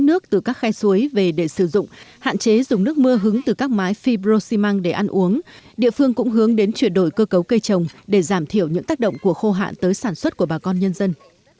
nhiều diện tích mạ cũng như mưa cấu cây trồng để giảm thiểu những tác động của khô hạn tới sản xuất của bà con nhân dân